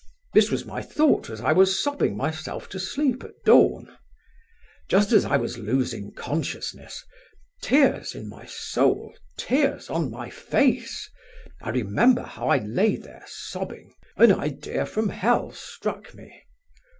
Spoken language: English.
This was my thought as I was sobbing myself to sleep at dawn. Just as I was losing consciousness, tears in my soul, tears on my face (I remember how I lay there sobbing), an idea from hell struck me.